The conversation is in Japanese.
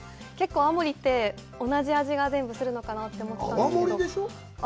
泡盛って同じ味が、全部するのかなと思ったんですけど。